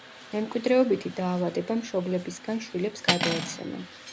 მემკვიდრეობითი დაავადება მშობლებისგან შვილებს გადაეცემა.